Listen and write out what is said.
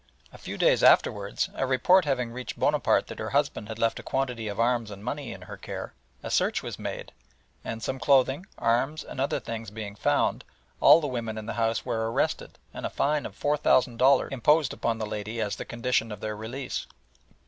A few days afterwards, a report having reached Bonaparte that her husband had left a quantity of arms and money in her care, a search was made, and some clothing, arms, and other things being found, all the women in the house were arrested and a fine of four thousand dollars imposed upon the lady as the condition of their release.